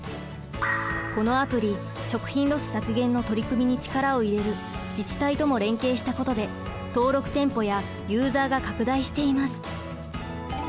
このアプリ食品ロス削減の取り組みに力を入れる自治体とも連携したことで登録店舗やユーザーが拡大しています。